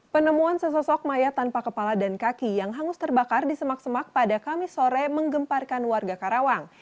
penemuan sesosok mayat tanpa kepala dan kaki yang hangus terbakar di semak semak pada kamis sore menggemparkan warga karawang